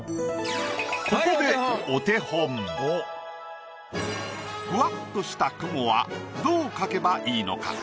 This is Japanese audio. ここでお手本。フワッとした雲はどう描けばいいのか？